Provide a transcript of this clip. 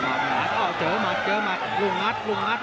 มัดหนาก็เจอมัดเจอมัดลุงงัดลุงงัด